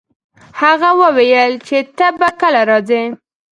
هغه وویل چي ته به کله راځي؟